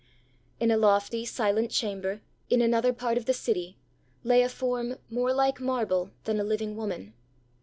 In a lofty, silent chamber, in another part of the city, lay a form more like marble than a living woman.